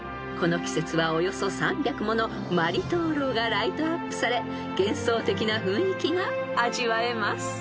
［この季節はおよそ３００もの鞠灯篭がライトアップされ幻想的な雰囲気が味わえます］